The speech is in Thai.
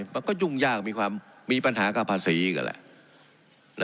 มันก็ยุ่งยากมีความมีปัญหากับภาษีอีกนั่นแหละ